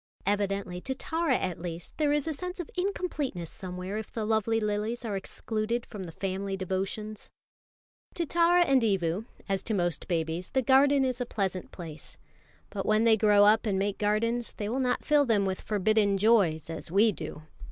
Evidently to Tara at least there is a sense of incompleteness somewhere if the lovely lilies are excluded from the family devotions. To Tara and to Evu, as to most babies, the garden is a pleasant place. But when they grow up and make gardens, they will not fill them with forbidden joys as we do.